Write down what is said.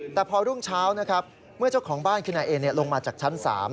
แต่พอรุ่งเช้านะครับเมื่อเจ้าของบ้านคือนายเอลงมาจากชั้น๓